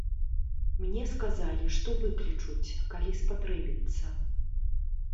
Мне сказалі, што выклічуць, калі спатрэбіцца.